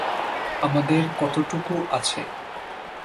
আমাদের কতটুকু আছে?